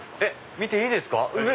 見ていいですか！